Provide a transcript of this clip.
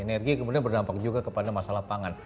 energi kemudian berdampak juga kepada masalah pangan